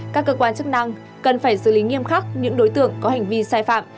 các cơ quan chức năng cần phải xử lý nghiêm khắc những đối tượng có hành vi sai phạm